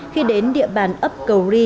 khi đến địa bàn ấp cầu ri